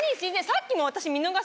さっきも私。